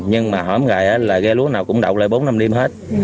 nhưng mà hỏi một ngày là ghe lúa nào cũng đậu lại bốn năm đêm hết